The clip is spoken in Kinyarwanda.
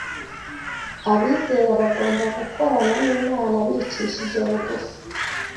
abizera bagomba gukorana n’Imana bicishije bugufi